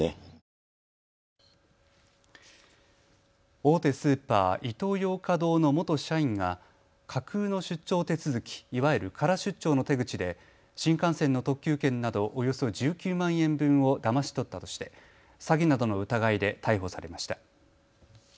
大手スーパー、イトーヨーカ堂の元社員が架空の出張手続き、いわゆるカラ出張の手口で新幹線の特急券などおよそ１９万円分をだまし取ったとして詐欺などの疑いで逮捕されました。